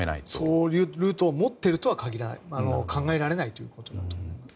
そういうルートを持っているとは考えられないということだと思いますね。